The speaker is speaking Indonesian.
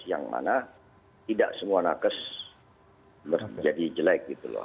yang mana tidak semua nakes menjadi jelek gitu loh